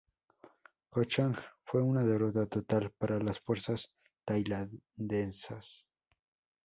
Ko Chang fue una derrota total para las fuerzas tailandesas.